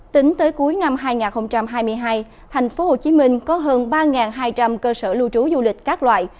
tính tới cuối năm hai nghìn hai mươi hai thành phố hồ chí minh có hơn ba hai trăm linh cơ sở lưu trú du lịch các loại